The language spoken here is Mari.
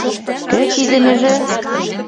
— Кӧ тиде — меже?